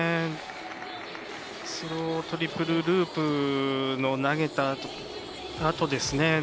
スロートリプルループの投げたあとですね。